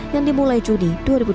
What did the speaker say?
yang dimulai juni dua ribu dua puluh